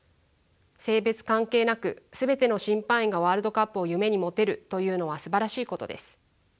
性別関係なく全ての審判員がワールドカップを夢に持てるというのはすばらしいことです。